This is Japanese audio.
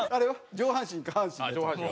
「上半身下半身」。